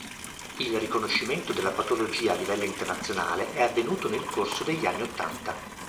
Il riconoscimento della patologia a livello internazionale è avvenuto nel corso degli anni ottanta.